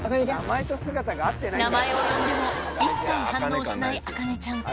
名前を呼んでも一切反応しない茜ちゃん